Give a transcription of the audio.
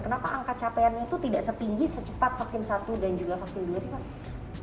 kenapa angka capaian itu tidak setinggi secepat vaksin satu dan juga vaksin dua sih pak